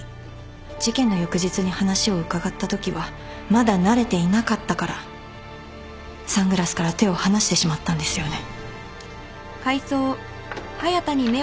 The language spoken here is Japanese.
事件の翌日に話を伺ったときはまだ慣れていなかったからサングラスから手を離してしまったんですよね。